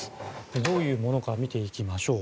どういうものか見ていきましょう。